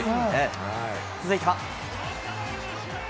続いては。